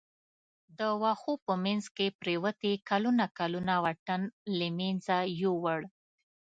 د وښو په منځ کې پروتې کلونه کلونه واټن له منځه یووړ.